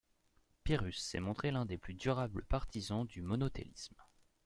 Pyrrhus s’est montré l'un des plus durables partisans du monothélisme.